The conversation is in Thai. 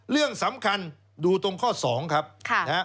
เรื่องสำคัญดูตรงข้อ๒ครับ